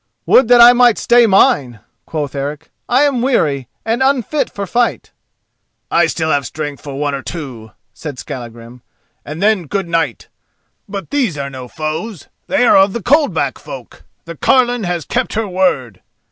"Would that I might stay mine," quoth Eric. "I am weary, and unfit for fight." "I have still strength for one or two," said Skallagrim, "and then good night! But these are no foes. They are of the Coldback folk. The carline has kept her word."